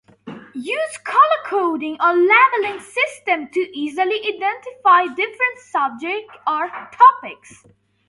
Use color-coding or labeling systems to easily identify different subjects or topics.